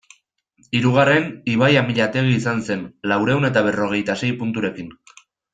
Hirugarren, Ibai Amillategi izan zen, laurehun eta berrogeita sei punturekin.